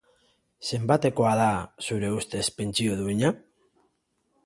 Zenbatekoa da, zure ustez, pentsio duina?